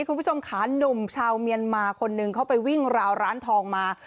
คุณผู้ชมค่ะหนุ่มชาวเมียนมาคนนึงเขาไปวิ่งราวร้านทองมา